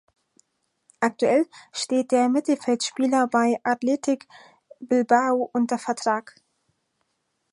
Aktuell steht der Mittelfeldspieler bei Athletic Bilbao unter Vertrag.